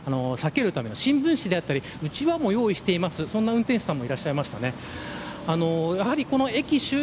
日を避けるための新聞紙であったりうちわも用意している運転手さんもいらっしゃいました。